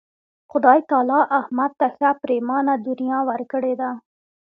خدای تعالی احمد ته ښه پرېمانه دنیا ورکړې ده.